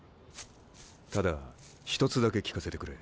ただ一つだけ聞かせてくれ。